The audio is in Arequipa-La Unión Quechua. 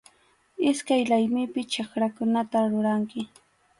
Iskay laymipi chakrakunata ruranki.